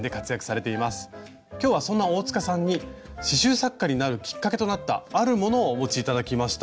今日はそんな大さんに刺しゅう作家になるきっかけとなったあるものをお持ち頂きました。